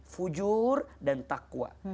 fujur dan taqwa